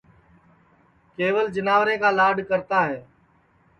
کیول جیناورے کا لاڈؔ کرتا ہے